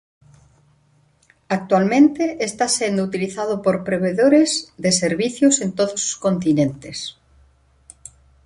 Actualmente está sendo utilizado por provedores de servizos en todos os continentes.